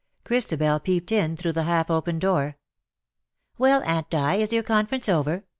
Christabel peeped in through the half opened door. " Well, Aunt Di, is your conference over